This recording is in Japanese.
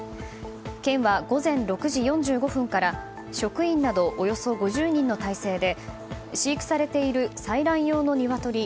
県は午前６時４５分から職員などおよそ５０人の態勢で飼育されている採卵用のニワトリ